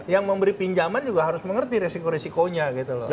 yang memberi pinjaman juga harus mengerti resiko risikonya gitu loh